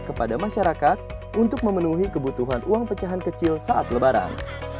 kepada masyarakat untuk memenuhi kebutuhan uang pecahan kecil saat lebaran